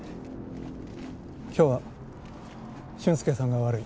今日は俊介さんが悪い。